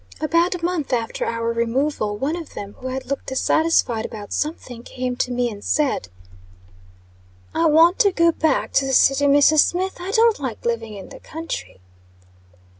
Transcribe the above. About a month after our removal, one of them, who had looked dissatisfied about something, came to me and said: "I want to go back to the city, Mrs. Smith; I don't like living in the country."